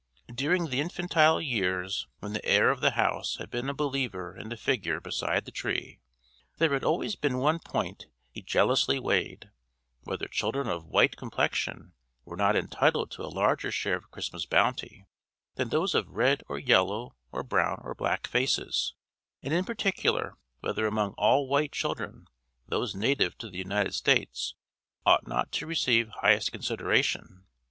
During the infantile years when the heir of the house had been a believer in the figure beside the Tree, there had always been one point he jealously weighed: whether children of white complexion were not entitled to a larger share of Christmas bounty than those of red or yellow or brown or black faces; and in particular whether among all white children those native to the United States ought not to receive highest consideration.